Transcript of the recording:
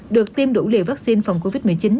được tiêm đủ liều vaccine phòng covid một mươi chín